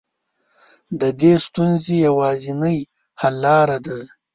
د دې ستونزې يوازنۍ حل لاره ده.